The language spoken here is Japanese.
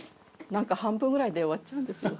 何か半分ぐらいで終わっちゃうんですよ。